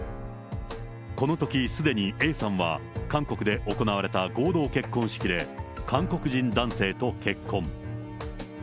このときすでにＡさんは韓国で行われた合同結婚式で、韓国人男性と結婚。